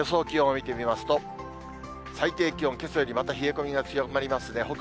気温を見てみますと、最低気温、けさよりまた冷え込みが強まりますね。